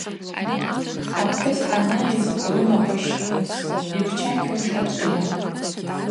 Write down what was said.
Апхӏвыс дъанайыз рунакъващ пхӏвыс: Йбчакьуаш ачӏвыйа?